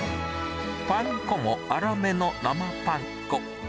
パン粉も粗めの生パン粉。